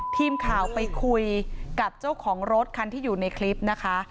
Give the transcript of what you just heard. ทีมข่าวไปคุยกับเจ้าของรถคันที่อยู่ในคลิปนะคะ